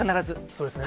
そうですね。